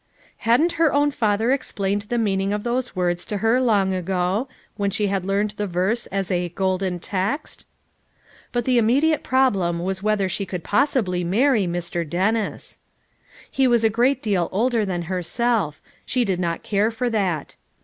Hadn't her own father explained the meaning of those words to her long ago, when she had learned the verse as a "golden text"? But the immediate problem was whether she could possibly marry Mr. Dennis. He was a great deal older than herself — she did not care for that.